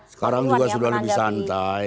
sekarang juga sudah lebih santai